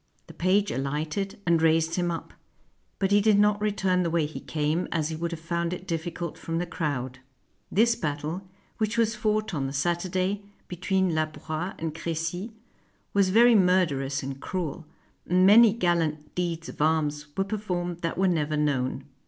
The page alighted, and raised him up; but he did not return the way he came, as he would have found it difficult from the crowd. This battle, which was fought on the Saturday between La Broyes and Crecy, was very murderous and cruel; and many gallant deeds of arms were performed that were never known.